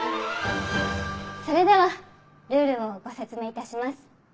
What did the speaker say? それではルールをご説明致します。